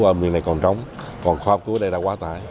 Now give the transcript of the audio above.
bệnh viện này còn trống còn khóa cứu ở đây là quá tải